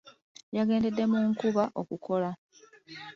Yagendedde mu nkuba okukola.